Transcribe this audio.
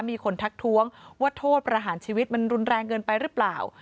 มีคนทักท้วงว่าโทษประหารชีวิตมันรุนแรงเกินไปหรือเปล่า